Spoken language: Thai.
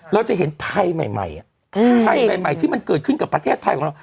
เราจะเห็นไทยใหม่ภัยใหม่ที่มันเกิดขึ้นกับประเทศไทยของเรา